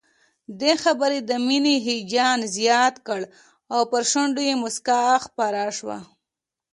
دې خبر د مينې هيجان زيات کړ او پر شونډو يې مسکا خپره شوه